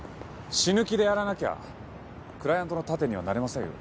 死ぬ気でやらなきゃクライアントの盾にはなれませんよ。